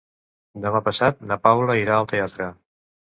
Demà passat na Paula irà al teatre.